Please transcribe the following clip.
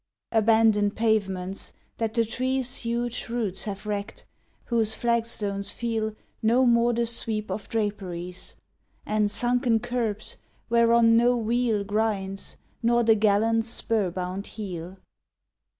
Abandoned pavements, that the trees' Huge roots have wrecked, whose flagstones feel No more the sweep of draperies; And sunken curbs, whereon no wheel Grinds, nor the gallant's spur bound heel.